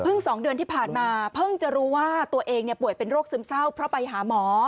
๒เดือนที่ผ่านมาเพิ่งจะรู้ว่าตัวเองป่วยเป็นโรคซึมเศร้าเพราะไปหาหมอ